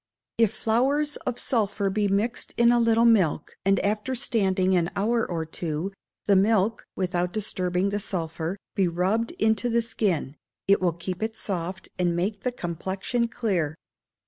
If flowers of sulphur be mixed in a little milk, and after standing an hour or two, the milk (without disturbing the sulphur) be rubbed into the skin, it will keep it soft and make the complexion clear.